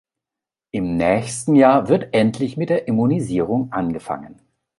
Im nächsten Jahr wird endlich mit der Immunisierung angefangen.